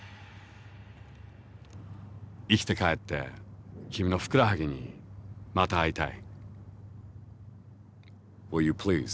生きて帰って君のふくらはぎにまた会いたい。